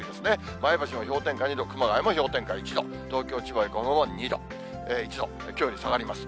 前橋も氷点下２度、熊谷も氷点下１度、東京、千葉、横浜も２度、１度、きょうより下がります。